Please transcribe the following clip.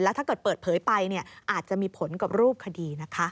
ถ้าเกิดเปิดเผยไปอาจจะมีผลกับรูปคดีนะคะ